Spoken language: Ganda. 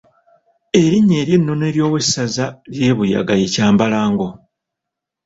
Erinnya ery’ennono ery’owessaza ly’e Buyaga ye Kyambalango.